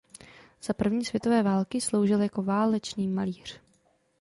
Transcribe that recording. Za první světové války sloužil jako válečný malíř.